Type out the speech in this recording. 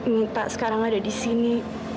minta sekarang ada di sini